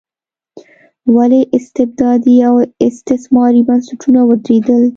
ولې استبدادي او استثماري بنسټونه ودرېدل.